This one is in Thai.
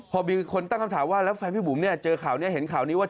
พอมีคนตั้งคำถามว่าแล้วแฟนพี่บุ๋มเนี่ยเจอข่าวนี้เห็นข่าวนี้ว่า